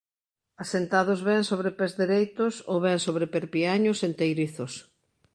Asentados ben sobre pés dereitos ou ben sobre perpiaños enteirizos.